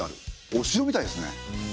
お城みたいですね。